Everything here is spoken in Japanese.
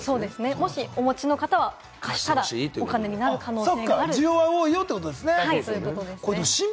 もしお持ちの方は、貸したらお金になるよということで。